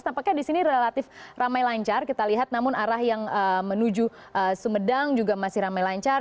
tampaknya di sini relatif ramai lancar kita lihat namun arah yang menuju sumedang juga masih ramai lancar